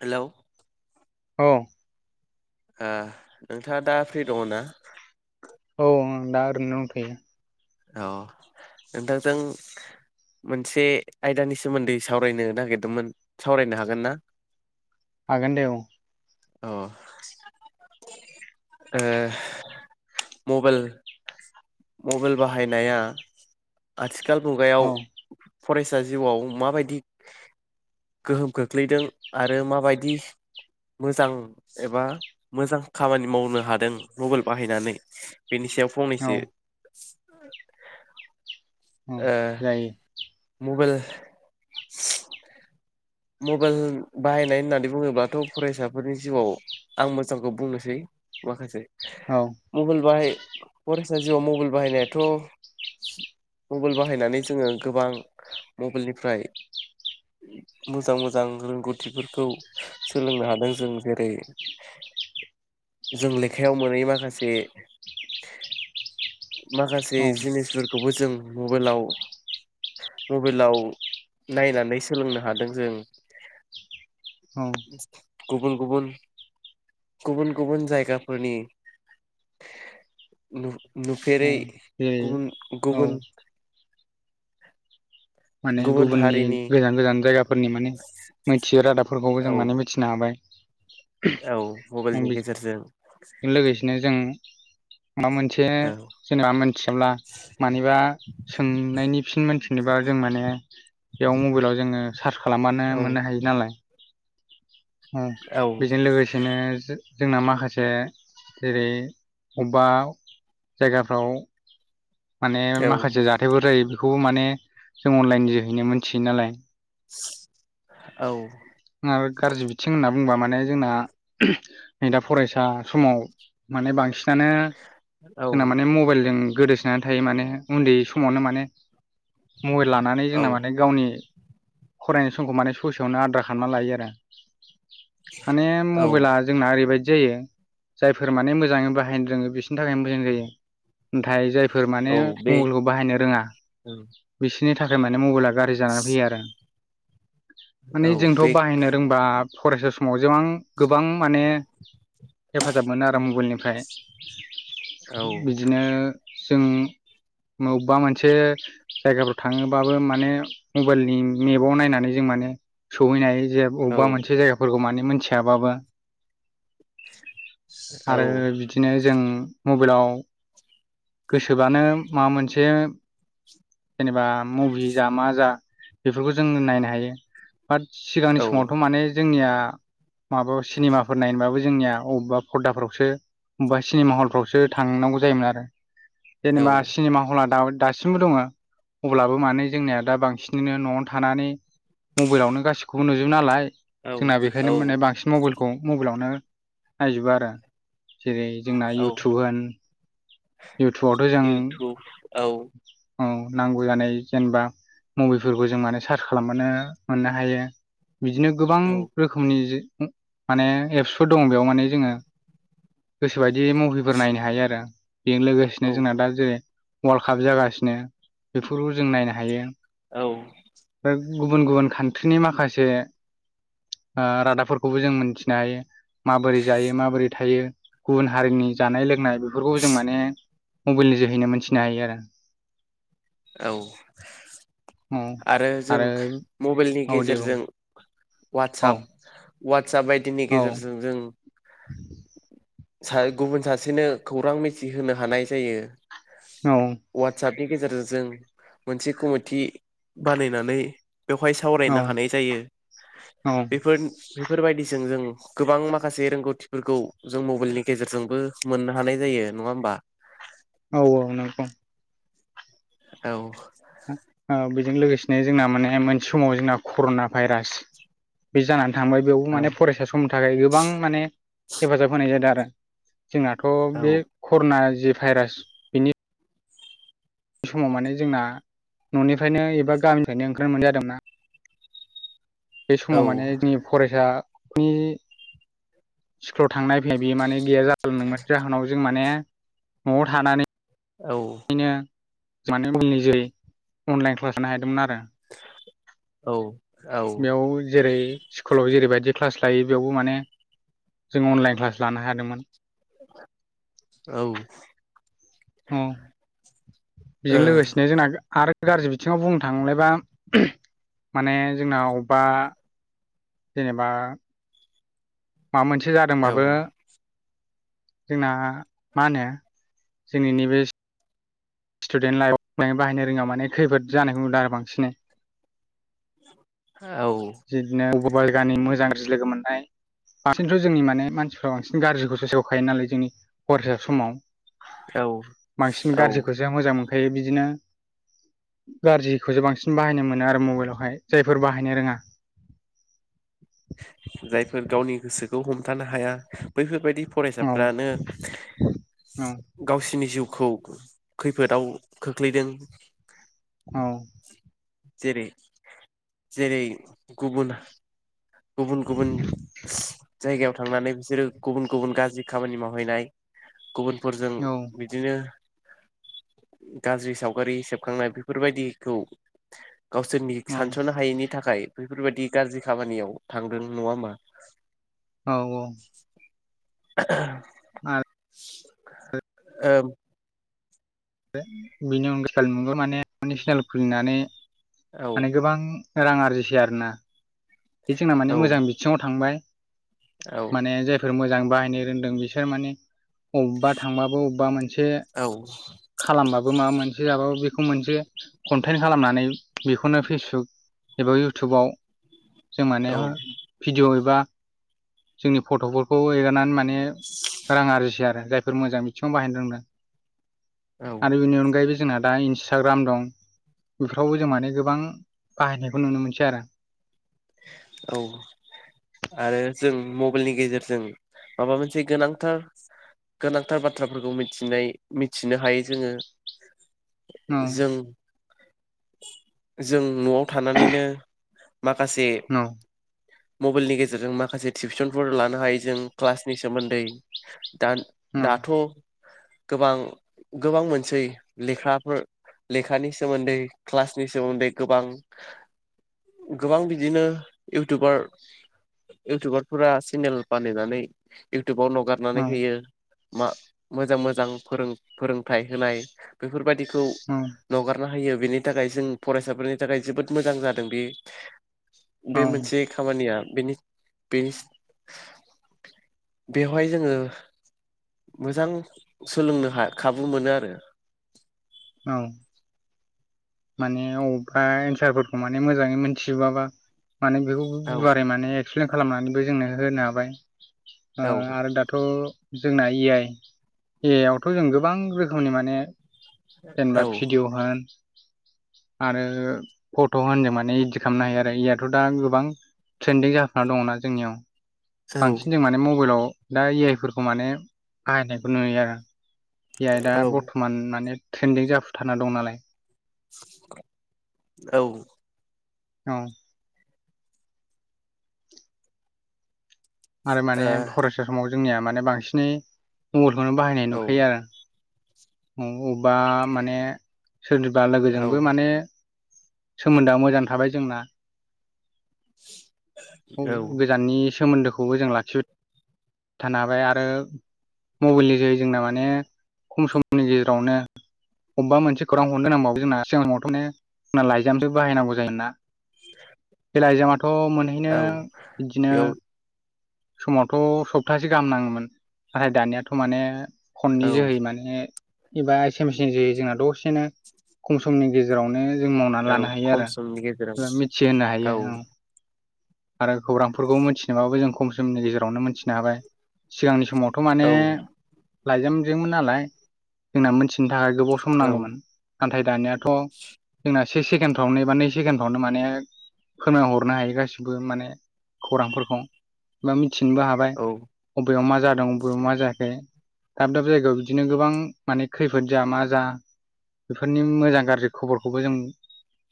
हेल'। औ। ओ नोंथाङा दा फ्रि दङ ना? औ औ दा ओरैनो दंथयो। औ नोंथांजों। मोनसे आयदानि सोमोन्दै सावरायनो नागिरदोंमोन सावरायनो हागोन ना? हागोन दे औ। औ। ओ मबाइल मबाइल। बाहायनाया आथिखाल मुगायाव औ फरायसा जिउआव माबायदि गोहोम खोख्लैदों आरो माबायदि मोजां एबा मोजां खामानि मावनो हादों मबाइल बाहायनानै बेनि सायाव औ फंनैसो औ ओ जायो मबाइल मबाइल बाहायनाय होननानै बुङोब्लाथ' फरायसाफोरनि जिउआव आं मोजांखौ बुंनोसै माखासे औ मबाइल बाहाय फरायसना जिउआव मबाइल बाहायनायाथ' मबाइल बाहायनानै जोङो गोबां मबाइलनिफ्राय मोजां मोजां रोंगौथिफोरखौ सोलोंनो हादों जों जेरै जों लेखायाव मोनै माखासे माखासे औ जिनिसफोरखौबो जों मबाइलाव मबाइलाव नायनानै सोलोंनो हादों जों औ गुबुन गुबुन गुबुन गुबुन जायगाफोरनि औ नुफेरै जेरै गुबुन औ गुबुन माने गुबुन गुबुननि हारिनि गोजान गोजान जायगाफोरनि माने मिथियोै रादाबफोरखौबो औ जों माने मिथिनो हाबाय औ मबाइलनि गेजेरजों बेजों लोगोसेनो जों माबा मोनसे औ जेनेबा मोनथियाब्ला मानिबा सोंनायनि फिन मोनथि जेनेबा जों माने बेयाव मबाइलाव जोङो सार्च खालामबानो औ मोननो हायो नालाय बेजों औ लोगोसेनो जोंना माखासे जेरै अबेबा जायगाफ्राव माने माखासे जाथायफोर जायो बेखौबो माने जों अनलाइन जोहैनो मिथियो नालाय औ माबे गाज्रि बिथिं होना बुंबा माने जोंना नै दा फरायसा समाव माने बांसिन दानो औ जोंना माने मबाइलजों गोदोसोनानै थायो माने उन्दै समावनो माने मबाइल लानानै औ जोंना माने गावनि फरायनाय समखौ माने ससेयावनो आद्रा खालामना लायो आरो माने औ मबाइला जोंना ओरैबायाददि जायो जायफोर माने मोजाङै बाहायनो रोङो बिसनि थाखायनो मोजां जायो नाथाय जायफोर औ माने बे मबाइलखौ बाहायनो रोङा औ बिसोरनि थाखाय माने मबाइल गाज्रि जानानै फैयो आरो माने जोंथ' बे बाहायनो रोंबांबा फरायसा समाव जेबां गोबां माने हेफाजाब मोनो आरो मबाइलनिफ्राय औ बिदिनो जों बबेबा मोनसे जायगाफ्राव थाङोबाबो माने मबाइलनि मेपआव नायनानै जों माने सहैनो हायो जे औ अबेबा मोनसे जायगा फोरखौ मिथियाब्लाबाबो औ आरो बिदिनो जों मबाइलाव गोसोबानो माबा मोनसे जेनेबा मुभि जा मा जा बेफोरखौ जों नायनो हायो। बाट सिगांनि समावथ' माने जोंनिया माबा सिनेमाफोर नायनोबाबो जोंनिया अबेबा खर्दाफ्रावसो अबेबा सिनेमा हलफ्रावसो थांनांगौ जायोमोन आरो औ जेनेबा सिनेमा हला द दासिमबो दङ अब्लाबो माने जोंनिया दा बांसिनैनो न'आवनो थानानै मबाइलावनो गासिखौबो नुजोबो नालाय जोंना औ बेखायनो माने बांसिन मबाइलखौ मबाइलावनो नायजोबो आरो जेरै जोंना औ इउटुब होन इउटुबावथ' जों इउटुब औ औ नांगौ जानाय जेनेबा मबाइलफोरखौ जों माने सार्च खालामबानो मोननो हायो। बिदिनो गोबां औ रोखोमनि माने एप्सफोर दं बेयाव माने जोङो गोसोबायदि मुभिफोर नायनो हायो आरो बेजों औ लोगोसेनो जोंना दा जेरै अवाल्ड काप जागासिनो बेफोरखौबो जों नायनो हायो। औ ओमफ्राय गुबुन गुबुन खान्ट्रिनि माखासे रादाबफोरखौबो जों मोनथिनो हायो माबोरै जायो माबोरै थायो गुबुन हारिनि जानाय लोंनाय बेफोरखौ जों माने मबाइल नि जोहैनो मोनथिनो हायो आरो औ औ आरो जों मबाइलनि औ दे बुं गेजेरजों औ अवाटसएप अवाटसएप बायदिनि औ गेजेरजों जों सा गुबुन सासेनो खौरां मिथिहोनो हानाय जायो औ नि गेजेरजों जों मोनसे कमिटि बानायनानै बेवहाय औ सावरायनो हानाय जायो बेफोर बेफोरबायदिजों जों गोबां माखासे रोंगौथिफोरखौ जों मबाइलनि गेजेरजोंबो मोननो हानाय जायो नङा होमबा औ औ नोंगौ औ ओ बेजों लोगोसेनो जोंना माने मोनसे समाव जोंना कर'ना भाइरास बे जानानै थांबाय बेयावबो औ माने फरायसा समनि थाखाय गोबां माने हेफाजाब होनाय जादों आरो जोंनाथ' औ बे कर'ना जे भाइरास बेनि समाव माने जोंना न'निफ्रायनो एबा गामिनिफ्रायनो ओंखारनो मोनि जादोंमोनना बे औ समाव माने जोंनि फरायसानि स्कुल थांनाय फैनाय बियो माने गैया जालांदोंमोन जाहोनाव जों माने न'आव थानानै औ माने मबेलनि जेरै अनलाइन क्लास लानो हदोंमोन आरो औ बेयाव जेरै स्कुलाव जेरैबायाददि बिदि क्लास लायो बेयावबो माने जों अनलाइन क्लास लानो हादोंमोन ओ अ बेजों लोगोसेनो जोंना आरो गाज्रि बिथिङाव बुंनो थांलायबा माने जोंना अबेबा जेनेबा माबा मोनसे जादोंबाबो औ जोंना मा होनो जोंनि नैबे स्टुडेन्ट लाइफआव बाहायनो रोङा माने खैफोद जानायखौ नुदों आरो बांसिनै औ [unintelligible] गाननि मोजां लोगो मोननाय बांसिनथ' जोंनि माने मानसिफ्रा बांसिन गाज्रिखौसो सेखायो नालाय जोंनि फरायसा समाव औ बांसिन औ गाज्रिखौसो मोजां मोनखायो बिदिनो गाज्रिखौसो बांसिन बाहायनो मोनो आरो मबाइलावहाय जायफोर बाहायनो रोङा जायफोर गावनि गोसोखौ हमथानो हाया बैफोरबायदि औ फरायसाफ्रानो औ गावसिनि जिउ खौ खैफोदाव खोख्लैदों औ जेरै जेरै गुबुन गुबुन गुबुन जायगायाव थांनानै बिसोरो गुबुन गुबुन गाज्रि खामानि मावहैनाय गुबुन फोरजों औ बिदिनो गाज्रि सावगारि सेबखांनाय बेफोरबायदिखौ गावसोरनि औ सानस'नो हायैनि थाखाय बेफोरबायाददि गाज्रि खामानियाव थांदों नङा होमा औ औ [unintelligible] आरो ओ बेनि अनगायै [unintelligible] चेनेल खुलिनानै औ माने गोबां रां आरजिसै आरोना बे जोंना औ माने मोजां बिथिङाव थांबाय औ माने जायफोर मोजां बाहायनो रोंदों बिसोर माने अबेबा थांबाबो अबेबा मोनसे औ खालामबाबो माबा मोनसे मोनसे जाबाबो बेखौ मोनसे कन्टेन् खालामनानै बेखौनो फेसबुक एबा इउटुबाव जों माने औ भिडिअ' एबा जोंनि फट'फोरखौ एगारनानै माने रां आरजि आरो जायफोर मोजां बिथिङाव बाहायनो रोंनो औ आरो बेनि अनगायैबो जोंना दा इन्सटाग्राम दं बेफोरावबो जों माने गोबां बाहायनायखौ नुनो मोनसै आरो औ आरो जों मबाइलनि गेजेरजों माबा मोनसे गोनांथार गोनांथार बाथ्राफोरखौ मिथिनाय मिथिनो हायो जोङो औ जों जों न'आव थानानैनो गासेै औ मबाइलनि गेजेरजों माखासे टिउसनफोर लानो हायो जों क्लासनि सोमोन्दै दा दाथ' गोबां गोबां मोनसेै लेखाफोर लेखानि सोमोन्दै क्लासनि सोमोन्दै गोबां गोबां बिदिनो इउटुबार इउटुबारफोरा चेनेल बानायहनानै इउटुबाव नागारनानै औ होयो मा मोजां मोजां फोरोंथाइ होनाय बेफोरबायदि खौ औ नागारना होयो बेनि थाखाय जों फरायसाफोरनि थाखाय जोबोद मोजां जादों बे बे औ मोनसे खामानिया बेनि बेनि बेवहाय जोङो मोजां सोलोंनो खाबु मोनो आरो औ माने अबेबा एन्सारफोरखौ माने मोजाङै मोनथिजोबाबा माने बेखौ औ गुवारै माने एक्सप्लेन खालामनानैबो जोंनो होनो हाबाय औ आरो दाथ' जोंना ए आइ ए आइ आवथ' जों गोबां रोखोमनि माने जेनेबा औ भिडिअ होन [inaudible] आरो फट' होनदों माने इदित खालामनो हायो आरो इयाथ' दा गोबां ट्रेन्दिं जाखाना दङना जोंनियाव बांसिन औ जों माने मबाइलाव दा इ आइ फोरफोरखौ माने बाहायनायखौ नुयो आरो बेयाय दा औ बर्थ'मान माने ट्रेन्दिं जाफुथारना दं नालाय औ औ आरो माने ओ फरायसा समाव जोंनिया माने बांसिनै मबाइलखौनो बाहायनाय औ नुखायो आरो बबेबा माने सोरनिबा लोगोजोंबो औ माने सोमोन्दोआ मोजां थाबाय जोंना औ गोजाननि सोमोन्दोखौबो जों लाखिबाय थानो हाबाय आरो मबाइलनि जै जोंना माने खम सम जोंनि गेजेरावनो अबेबा मोनसे खौरां हरनो नांबावो जोंना सिगां समावथ' माने जोंना लाइजामसो बाहायनांगौ जायो ना [inaudible] बेलाइजामाथ' मोनहैनो औ बिदिनो बेयाव समावथ' सप्तासे गाहाम नाङोमोन नाथाय दानियाथ' माने फननि औ जोहै माने एबा एसमसन ज जोंना दसेनो खम समनि गेजेरावनो जों मावनानै औ लानो हायो खम आरो समनि गेजेराव मिथिहोनो हायो औ आरो खौरांफोरखौ मिथिनोबाबो जों खम समनि गेजेराव आवनो मोनथिनो हाबाय सिगांनि समावथ' माने औ लाइजामजोंमोन नालाय जोंना मोनथिनो थाखाय गोबाव सम औ नांगौमोन नाथाय दानायाथ' जोंना से सेकेणडफ्रावनो एबा नै सेकेणडफ्रावनो माने फोरमाय हरनो हायो गासिबो बो माने खौरांफोरखौ मिथिनोबो हाबाय औ ओ बबेयाव मा जादोंं अबेयाव मा जायाखै दाब दाब जायगायाव बिदिनो गोबां माने खैफोद जा मा जा बेफोरनि मोजां गाज्रि खबरखौबो जों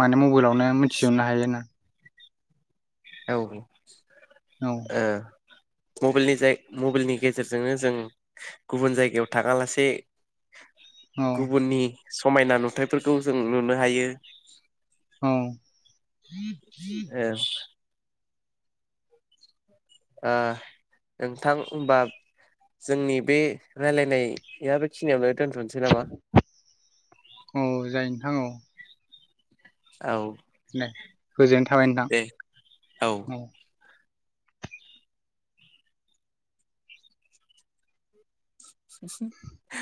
माने मबाइलावनो मिथिजोबनो हायोना औ औ ओ मबेलनि जा मबाइलनि गेजेरजोंनो जों गुबुन जायगायाव थाङा लासे औ गुबुननि समायना नुथायफोरखौ जों नुनो हायो ओम ओ ओ नोंथां होमबा जोंनि बे रायलायनाया बेखिनियावनो दोनथ'नोसै नामा औ जायो नोंथां औ औ दे गोजोननाय थाबाय दे औ नोंथां [unintelligible]